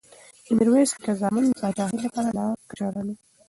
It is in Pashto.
د میرویس نیکه زامن د پاچاهۍ لپاره لا کشران وو.